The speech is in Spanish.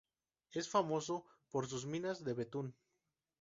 Es famoso por sus minas de betún.